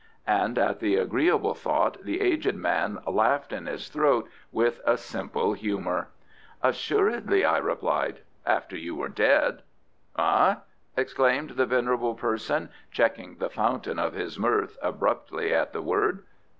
and at the agreeable thought the aged man laughed in his throat with simple humour. "Assuredly," I replied; " after you were dead." "Eh?" exclaimed the venerable person, checking the fountain of his mirth abruptly at the word.